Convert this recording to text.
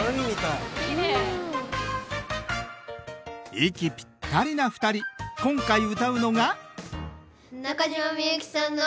息ぴったりな２人今回歌うのが？